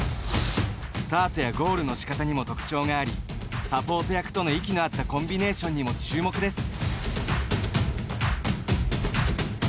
スタートやゴールのしかたにも特徴がありサポート役との息の合ったコンビネーションにも注目です。